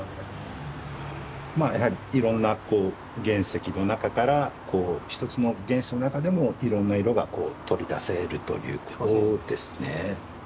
やはりいろんな原石の中から一つの原石の中でもいろんな色が取り出せるということですね。